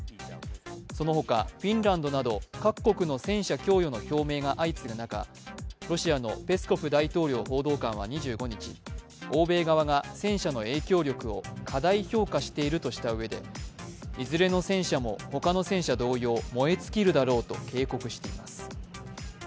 そのほかフィンランドなど各国の戦車供与の表明が相次ぐ中、ロシアのペスコフ大統領報道官は２５日、欧米側が戦車の影響力を過大評価しているとしたうえでいずれの戦車もほかの戦車同様燃え尽きるだろうと警告しています。